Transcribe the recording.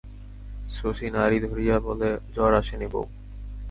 শশী নাড়ি ধরিয়া বলে, জ্বর আসেনি বৌ।